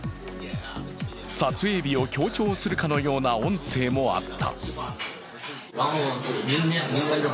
撮影日を強調するかのような音声もあった。